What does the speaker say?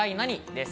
です。